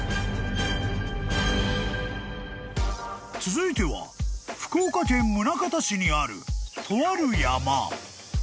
［続いては福岡県宗像市にあるとある山］